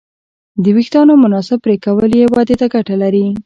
د وېښتیانو مناسب پرېکول یې ودې ته ګټه لري.